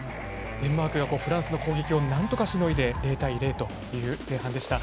デンマークがフランスの攻撃を何とかしのいで０対０という前半でした。